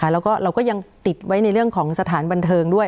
แล้วก็เราก็ยังติดไว้ในเรื่องของสถานบันเทิงด้วย